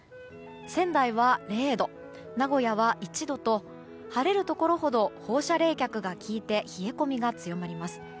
仙台は０度名古屋は１度と晴れるところほど放射冷却が効いて冷え込みが強まります。